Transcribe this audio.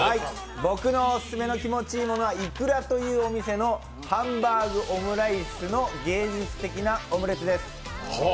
僕のオススメの気持ち良いものはいくらというお店のハンバーグオムライスの芸術的なオムレツです。